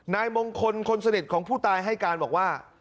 นายมงคลคนสนิทของผู้ตายให้การบอกว่า